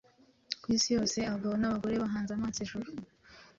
Ku isi yose abagabo n’abagore bahanze amaso ijuru.